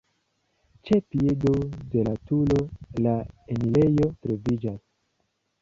Ĉe piedo de la turo la enirejo troviĝas.